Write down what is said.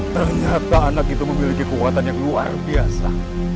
ternyata anak itu memiliki kekuatan yang luar biasa